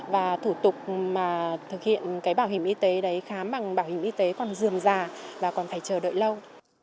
và thủ tục mà thực hiện cái bảo hiểm y tế đấy khám bằng bảo hiểm y tế còn dườm già và còn phải chờ đợi lâu